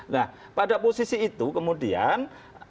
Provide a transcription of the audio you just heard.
nah pada posisi itu kemudian